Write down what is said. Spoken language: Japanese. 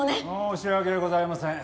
申し訳ございません。